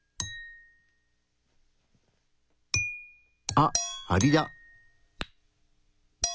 あっアリだ。